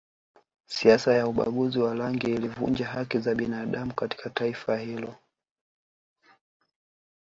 Siasa ya ubaguzi wa rangi ilivunja haki za binadamu katika taifa hilo